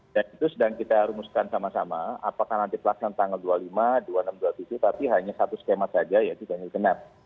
dan itu sedang kita rumuskan sama sama apakah nanti pelaksanaan tanggal dua puluh lima dua puluh enam dua puluh tujuh tapi hanya satu skema saja yaitu kanyukenap